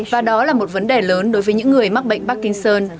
và đó là một vấn đề lớn đối với những người mắc bệnh parkinson